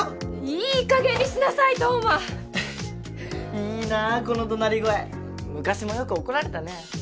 いい加減にしなさい冬馬いいなこの怒鳴り声昔もよく怒られたね